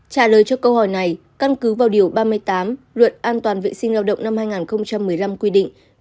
trả lời cho câu hỏi này căn cứ vào điều ba mươi tám luật an toàn vệ sinh lao động năm hai nghìn một mươi năm quy định